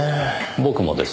僕もです。